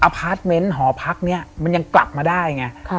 พาร์ทเมนต์หอพักนี้มันยังกลับมาได้ไง